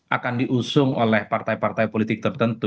akan diusung oleh partai partai politik tertentu